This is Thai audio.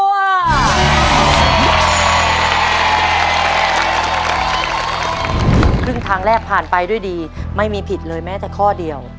ครึ่งทางแรกผ่านไปด้วยดีไม่มีผิดเลยแม้แต่ข้อเดียว